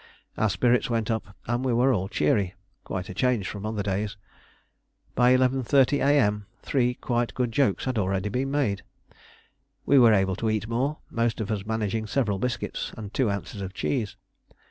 Our spirits went up and we were all cheery, quite a change from other days. By 11.30 A.M. three quite good jokes had already been made. We were able to eat more, most of us managing several biscuits and two ounces of cheese.